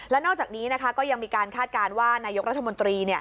และนอกจากนี้ก็ยังมีการคาดการณ์ว่านายกรัฐมนตรี